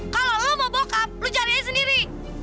kalau lo mau bokap lo carinya sendiri